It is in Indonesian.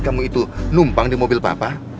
kamu itu numpang di mobil papa